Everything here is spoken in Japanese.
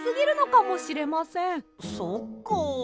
そっか。